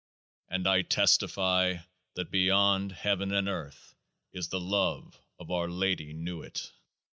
And I testify that beyond heaven and earth is the love of OUR LADY NUIT.